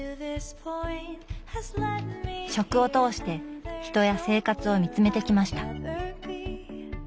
食を通して人や生活を見つめてきました。